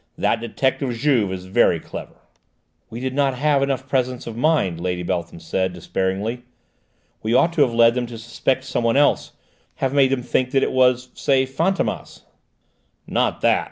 That detective Juve is very clever." "We did not have enough presence of mind," Lady Beltham said despairingly. "We ought to have led them to suspect someone else: have made them think that it was, say, Fantômas." "Not that!"